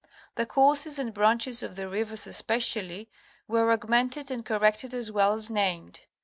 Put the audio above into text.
The courses and branches of the rivers especially were aug mented and corrected as well as named.